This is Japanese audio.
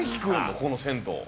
この銭湯。